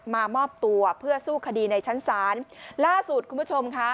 มามอบตัวเพื่อสู้คดีในชั้นศาลล่าสุดคุณผู้ชมค่ะ